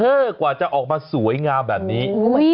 กว่าจะออกมาสวยงามแบบนี้